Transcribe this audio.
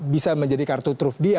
bisa menjadi kartu truf dia